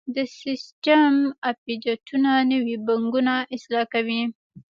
د سیسټم اپډیټونه نوي بګونه اصلاح کوي.